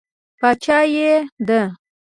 باچایي یې ده.